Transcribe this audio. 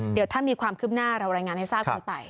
เดี๋ยวถ้ามีความคืบหน้าเรารายงานให้ทราบกันไป